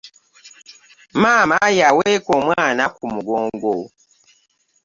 Maama yaweka omwana ku mugongo.